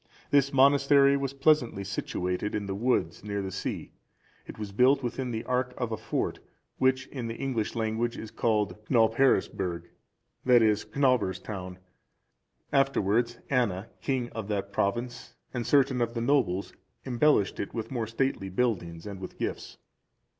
This monastery was pleasantly situated in the woods, near the sea; it was built within the area of a fort, which in the English language is called Cnobheresburg, that is, Cnobhere's Town;(381) afterwards, Anna, king of that province, and certain of the nobles, embellished it with more stately buildings and with gifts.